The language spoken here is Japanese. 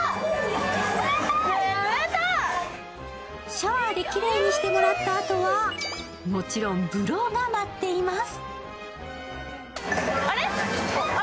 シャワーできれいにしてもらったあとはもちろんブローが待っています。